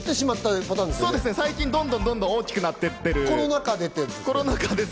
最近どんどん大きくなっていってる、コロナ禍で。